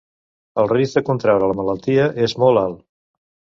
El risc de contraure la malaltia és molt alt.